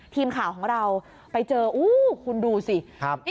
ทีมข่าวของเราไปเจออู้คุณดูสิ